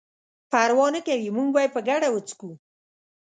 پروا نه کوي موږ به یې په ګډه وڅښو.